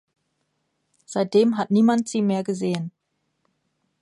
Seitdem hat niemand sie mehr gesehen.